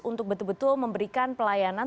untuk betul betul memberikan pelayanan